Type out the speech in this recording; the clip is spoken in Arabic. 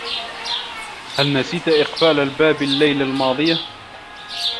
هل نسيت إقفال الباب اللّيلة الماضية؟